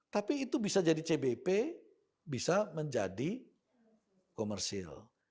tapi itu bisa jadi cbp bisa menjadi komersil